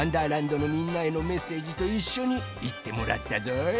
どのみんなへのメッセージといっしょにいってもらったぞい。